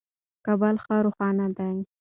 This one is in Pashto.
کابل ښه روښانه دی.